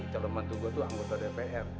calon mantu gue itu anggota dpr